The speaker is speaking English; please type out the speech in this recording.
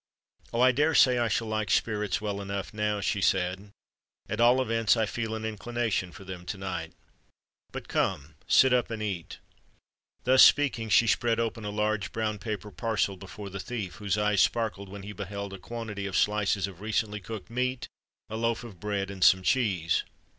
"Oh! I dare say I shall like spirits well enough now!" she said. "At all events I feel an inclination for them to night. But, come—sit up and eat." Thus speaking, she spread open a large brown paper parcel before the thief, whose eyes sparkled when he beheld a quantity of slices of recently cooked meat, a loaf of bread, and some cheese.